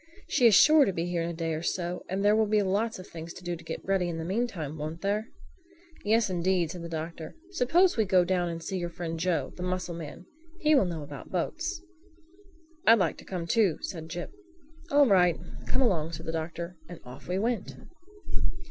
"She is sure to be here in a day or so; and there will be lots of things to do to get ready in the mean time, won't there?" "Yes, indeed," said the Doctor. "Suppose we go down and see your friend Joe, the mussel man. He will know about boats." "I'd like to come too," said Jip. "All right, come along," said the Doctor, and off we went.